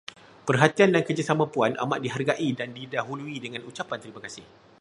Perhatian dan kerjasama Puan amat dihargai dan didahului dengan ucapan terima kasih.